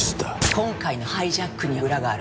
今回のハイジャックには裏がある。